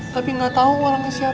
tapi gak tau orangnya siapa